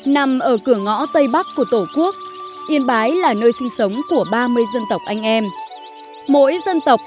nằm ở cửa ngõ tây bắc của tổ quốc yên bái là nơi sinh sống của ba mươi dân tộc anh em mỗi dân tộc